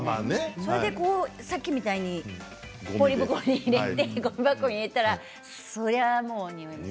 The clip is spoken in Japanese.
それでさっきみたいにポリ袋に入れてごみ箱に入れたらそりゃあ、もうにおいます。